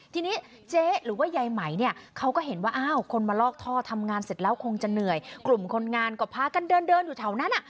ทีนี้เจ๊หรือว่ายายไหมเนี่ยเขาก็เห็นว่าอ้าวคนมาลอกท่อทำงานเสร็จแล้วคงจะเหนื่อยกลุ่มคนงานก็พากันเดินเดินอยู่แถวนั้นอ่ะ